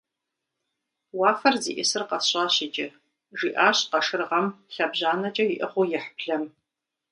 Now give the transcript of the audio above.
- Уафэр зиӏисыр къэсщӏащ иджы, - жиӏащ къэшыргъэм лъэбжьанэкӏэ иӏыгъыу ихь блэм.